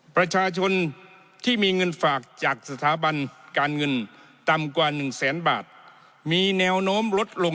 ประชาชนที่มีเงินฝากจากสถาบันการเงินต่ำกว่าหนึ่งแสนบาทมีแนวโน้มลดลง